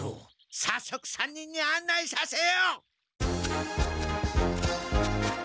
さっそく３人にあんないさせよ！